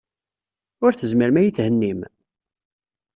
Ur tezmirem ad iyi-thennim?